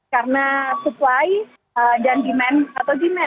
karena supply dan demand atau demand dari masyarakat terlalu banyak